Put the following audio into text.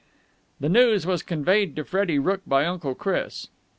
The news was conveyed to Freddie Rooke by Uncle Chris.